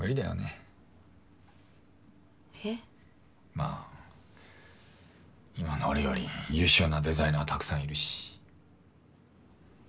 まあ今の俺より優秀なデザイナーはたくさんいるし。